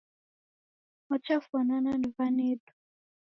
Ochafwanana ni w'anedu